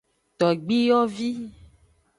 Togbiyovi.